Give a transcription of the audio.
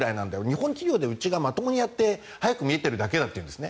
日本企業でうちがやって早く見えてるだけだというんです。